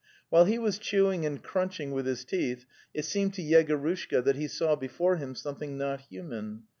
While he was chewing and crunching with his teeth it seemed to Yegorushka that he saw before him something not human.